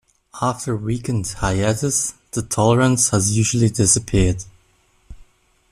After a weekend hiatus, the tolerance has usually disappeared.